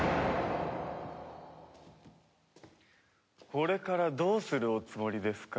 これからどうするおつもりですか？